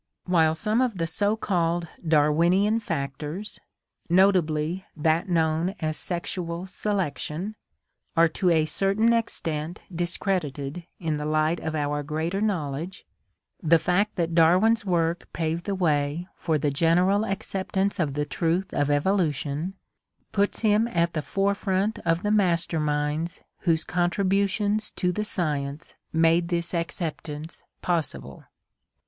While some of the so called Darwinian factors, notably that known as sexual selection, are to a certain extent discredited in the light of our greater knowl edge, the fact that Darwin's work paved the way for the general acceptance of the truth of Evolution puts him at the forefront of the master minds whose contributions to the science made this acceptance possible.